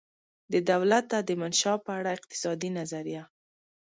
د دولته دمنشا په اړه اقتصادي نظریه